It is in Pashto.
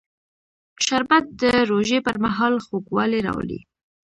شربت د روژې پر مهال خوږوالی راولي